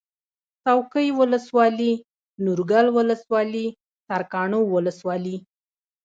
څوکۍ ولسوالي نورګل ولسوالي سرکاڼو ولسوالي